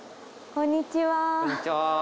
こんにちは